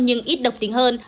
nhưng ít độc tính hơn